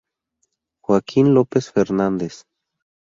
Joaquín López Fernández